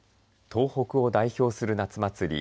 東北を代表する夏祭り